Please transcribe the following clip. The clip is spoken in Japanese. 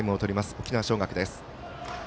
沖縄尚学です。